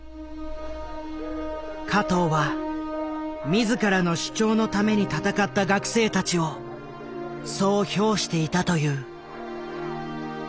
加藤は自らの主張のために闘った学生たちをそう評していたという。